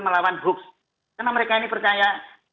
melawan hoax karena mereka ini percaya